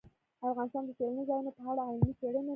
افغانستان د سیلاني ځایونو په اړه علمي څېړنې لري.